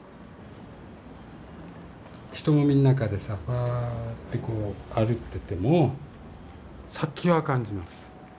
人混みの中でさぱってこう歩いてても殺気は感じます。